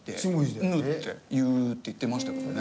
「ぬ」って言うって言ってましたけどね。